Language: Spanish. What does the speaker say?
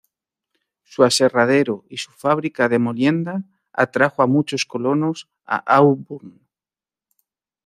Su aserradero y su fábrica de molienda atrajo a muchos colonos a Auburn.